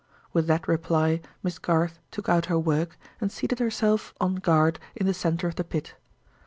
With that reply, Miss Garth took out her work, and seated herself, on guard, in the center of the pit.